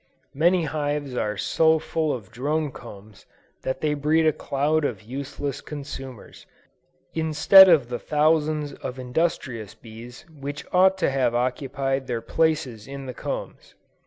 Many hives are so full of drone combs that they breed a cloud of useless consumers, instead of the thousands of industrious bees which ought to have occupied their places in the combs.